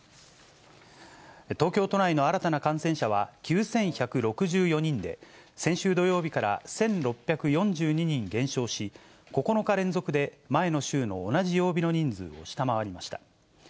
東京都内の新たな感染者は９１６４人で、先週土曜日から１６４２人減少し、９日連続で前の週の同じ曜日の人数を下回りました。